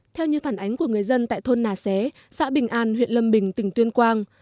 theo như phản ánh của người dân tại thôn nà xé xã bình an huyện lâm bình tỉnh tuyên quang